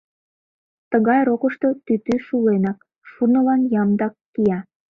Тыгай рокышто тӱтӱ шуленак, шурнылан ямдак, кия.